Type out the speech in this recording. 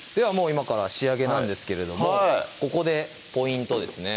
今から仕上げなんですけれどもここでポイントですね